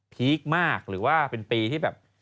พีคมากหรือว่าเป็นปีที่แบบ